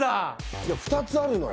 いや２つあるのよ。